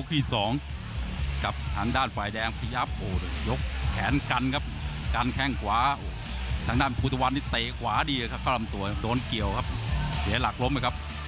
เตะขวาดีครับเค้าลำตัวโดนเกี่ยวครับเดี๋ยวหลักล้มไว้ครับ